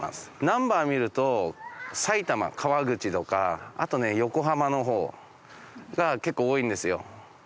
ナンバー見ると埼玉川口とかあとね横浜のほうが結構多いんですよ。